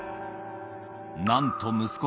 なんと息子